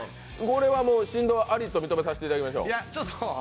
これは振動ありと認めさせていただきましょう。